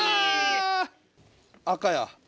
赤や。